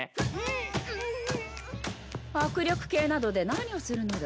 握力計などで何をするのだ？